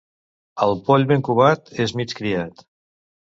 El poll ben covat és mig criat.